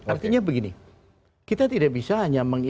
artinya begini kita tidak bisa hanya